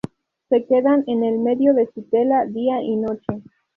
Se quedan en el medio de su tela día y noche.